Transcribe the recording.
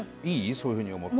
そういうふうに思って。